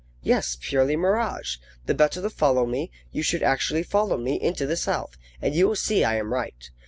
Yes, purely mirage! The better to follow me, you should actually follow me into the South, and you will see I am right.